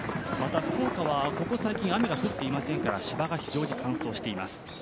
また、福岡はここ最近雨が降っていませんから芝が非常に乾燥しています。